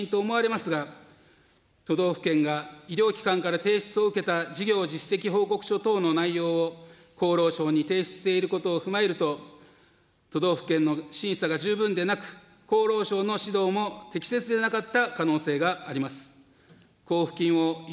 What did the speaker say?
医療機関において制度の確認や理解が十分でなかったことが原因と思われますが、都道府県が医療機関から提出を受けた事業実績報告書等の内容を厚労省に提出していることを踏まえると、都道府県の審査が十分でなく、厚労省の指導も適切でなかった可能性があります。